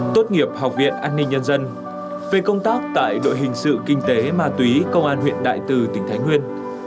tốt nghiệp học viện an ninh nhân dân về công tác tại đội hình sự kinh tế ma túy công an huyện đại từ tỉnh thái nguyên